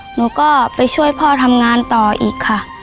หนูก็ไปช่วยพ่อทำงานต่ออีกค่ะ